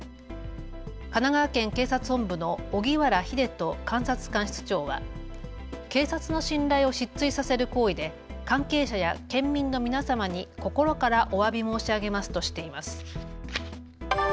神奈川県警察本部の荻原英人監察官室長は警察の信頼を失墜させる行為で関係者や県民の皆様に心からおわび申し上げますとしています。